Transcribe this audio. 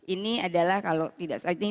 ini adalah kalau tidak